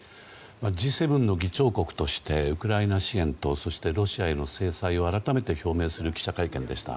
Ｇ７の議長国としてウクライナ支援とそして、ロシアへの制裁を改めて表明する記者会見でした。